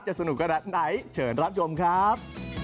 จะสนุกกระดับไหนเชิญรับชมครับ